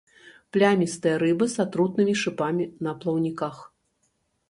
Плямістыя рыбы з атрутнымі шыпамі на плаўніках.